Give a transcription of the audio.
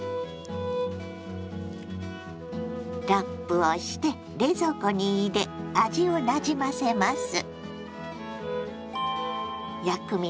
ラップをして冷蔵庫に入れ味をなじませます。